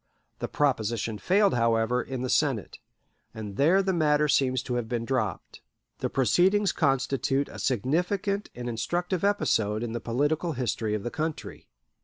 The proposition failed, however, in the Senate, and there the matter seems to have been dropped. The proceedings constitute a significant and instructive episode in the political history of the country.